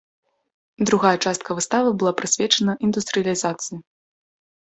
Другая частка выставы была прысвечана індустрыялізацыі.